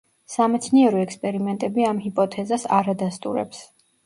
სამეცნიერო ექსპერიმენტები ამ ჰიპოთეზას არ ადასტურებს.